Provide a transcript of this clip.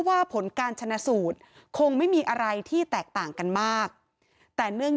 ผลการชนะสูตรคงไม่มีอะไรที่แตกต่างกันมากแต่เนื่อง